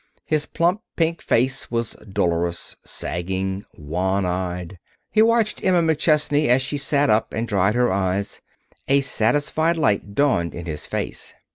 His plump, pink face was dolorous, sagging, wan eyed. He watched Emma McChesney as she sat up and dried her eyes. A satisfied light dawned in his face.